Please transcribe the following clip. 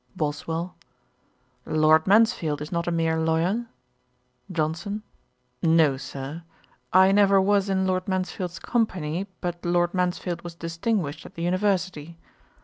BOSWELL. 'Lord Mansfield is not a mere lawyer.' JOHNSON. 'No, Sir. I never was in Lord Mansfield's company; but Lord Mansfield was distinguished at the University.